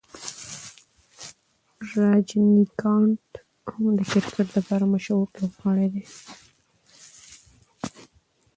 راجنیکانټ هم د کرکټ د پاره مشهوره لوبغاړی و.